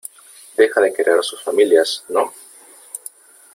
deja de querer a sus familias ,¿ no ?